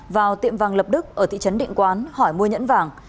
vào tiệm vàng lập đức ở thị trấn định quán hỏi mua nhẫn vàng